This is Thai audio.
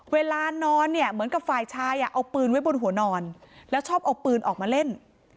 เวลานอนเนี่ยเหมือนกับฝ่ายชายเอาปืนไว้บนหัวนอนแล้วชอบเอาปืนออกมาเล่น